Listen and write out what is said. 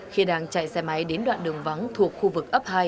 khi đang chạy xe máy đến đoạn đường vắng thuộc khu vực ấp hai